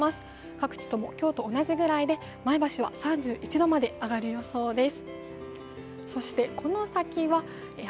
各地も今日と同じくらいで前橋は３１度まで上がる予想です。